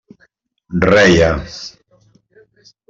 Reia.